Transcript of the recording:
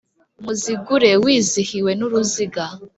Muzigura wizihiwe n'uruziga